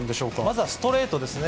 まずはストレートですね。